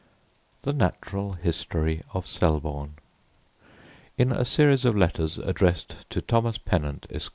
THE NATURAL HISTORY OF SELBORNE In a series of letters addressed to THOMAS PENNANT, ESQ.